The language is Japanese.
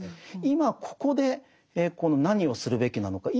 今ここで何をするべきなのか。